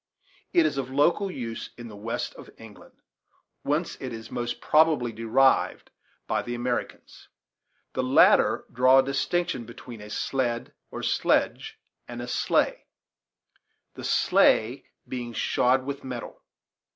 It is of local use in the west of England, whence it is most probably derived by the Americans. The latter draw a distinction between a sled, or sledge, and a sleigh, the sleigh being shod with metal.